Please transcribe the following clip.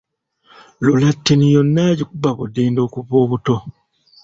Lulattini yonna agikuba budinda okuva obuto